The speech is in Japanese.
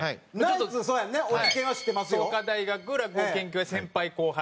創価大学落語研究会先輩後輩。